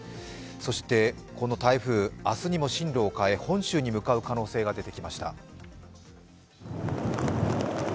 そしてこの台風、明日にも進路を変え本州に向かう可能性が出てきました。